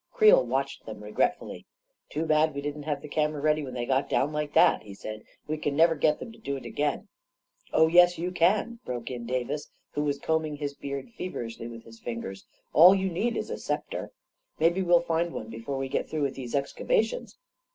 Creel watched them regretfully. " Too bad we didn't have the camera ready when they went down like that," he said, " We can never get them to do it again I " 44 Oh, yes, you can I " broke in Davis, who was combing his beard feverishly with his fingers. " All you need is a sceptre. Maybe we'll find one before we get through with these excavations."